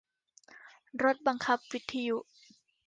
รถบังคับวิทยุ